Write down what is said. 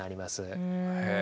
へえ。